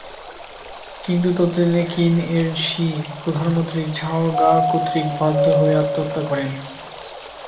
কিন্তু ততদিনে কিন এর শি প্রধানমন্ত্রী ঝাও গাও কর্তৃক বাধ্য হয়ে আত্মহত্যা করেন।